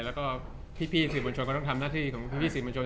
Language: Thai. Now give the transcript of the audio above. แล้วก็พี่สื่อมวลชนก็ต้องทำหน้าที่ของพี่สื่อมวลชน